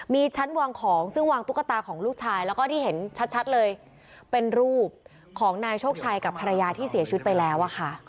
มีชั้นวางของซึ่งวางตุ๊กตาของลูกชายแล้วก็ที่เห็นชัดเลยเป็นรูปของนายโชคชัยกับภรรยาที่เสียชีวิตไปแล้วอะค่ะ